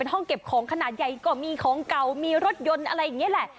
ห้องเก็บของขนาดใหญ่ก็มีของเก่ามีรถยนต์อะไรอย่างนี้แหละ